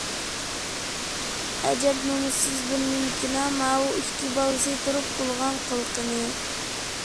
ئەجەب نومۇسسىز بىر نېمىكىنا ماۋۇ، ئىككى بالىسى تۇرۇپ قىلغان قىلىقىنى!